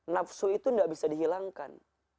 nafsu itu tidak bisa dihilangkan